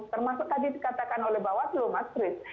termasuk tadi dikatakan oleh bawasloh mas chris